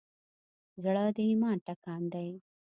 زړه د ایمان ټکان دی.